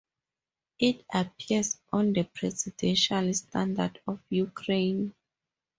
It appears on the Presidential standard of Ukraine.